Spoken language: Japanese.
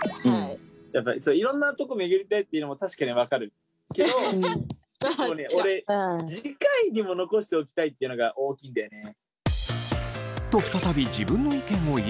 いろんな所巡りたいっていうのも確かに分かるけど俺次回にも残しておきたいっていうのが大きいんだよね。